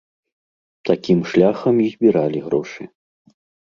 Такім шляхам і збіралі грошы.